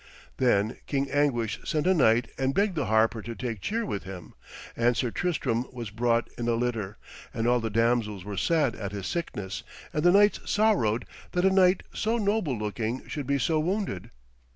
Then King Anguish sent a knight and begged the harper to take cheer with him, and Sir Tristram was brought in a litter, and all the damsels were sad at his sickness, and the knights sorrowed that a knight so noble looking should be so wounded.